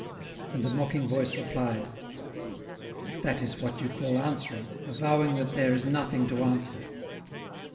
And a mocking voice replied, " That is what you call answering, avowing that there is nothing to answer."